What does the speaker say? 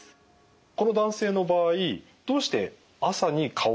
この男性の場合どうして朝に顔がむくむんでしょうか。